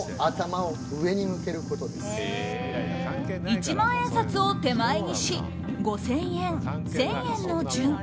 一万円札を手前にし５０００円、１０００円の順。